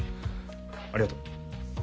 ありがとう。